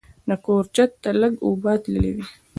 د کور چت ته لږ اوبه تللې وې.